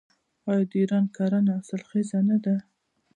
آیا د ایران کرنه حاصلخیزه نه ده؟